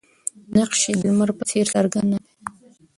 نقش یې د لمر په څېر څرګند نه دی.